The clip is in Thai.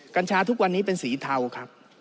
กัญชาทุกวันนี้เป็นสีเทาครับ